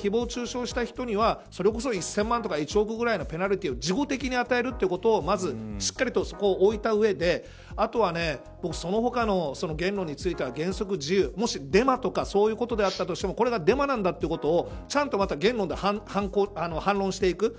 事後的に裁判をやって誹謗中傷した人にはそれこそ１０００万とか１億円のペナルティーを事後的に与えることを、まずそこをしっかりと行った上であとはその他の言論については原則自由もし、デマとかそういうことであったとしてもこれがデマだということはちゃんと言論で反応していく。